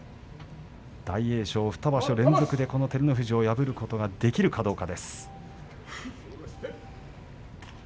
大栄翔、２場所連続でこの照ノ富士を破ることができるかどうか。